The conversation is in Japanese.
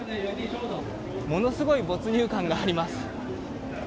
ものすごい没入感があります。